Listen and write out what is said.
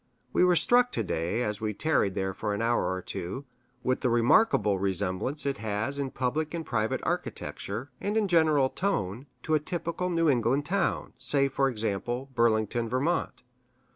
We were struck to day, as we tarried there for an hour or two, with the remarkable resemblance it has in public and private architecture, and in general tone, to a typical New England town say, for example, Burlington, Vt.